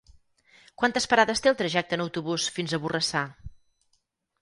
Quantes parades té el trajecte en autobús fins a Borrassà?